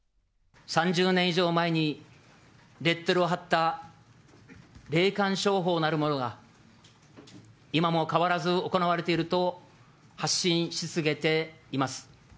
３０年以上前にレッテルを貼った霊感商法なるものが、今も変わらず行われていると発信し続けています。